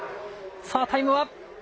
さあタイムは。